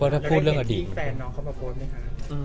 แล้วได้เห็นที่แฟนน้องเขามาโพสไหมคะ